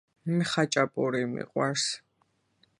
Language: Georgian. მე ხაჭაპური მიყვარს